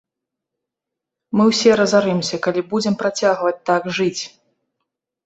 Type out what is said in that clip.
Мы ўсе разарымся, калі будзем працягваць так жыць.